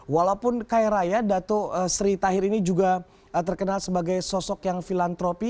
walaupun kaya raya dato sri tahir ini juga terkenal sebagai sosok yang filantropi